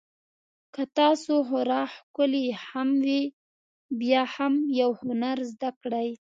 که تاسو خورا ښکلي هم وئ بیا هم یو هنر زده کړئ.